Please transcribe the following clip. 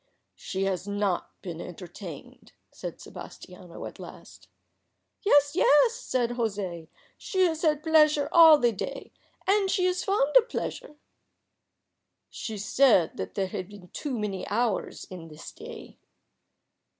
"She has not been entertained," said Sebastiano at last. "Yes, yes," said José. "She has had pleasure all the day. And she is fond of pleasure." "She said there had been too many hours in the day."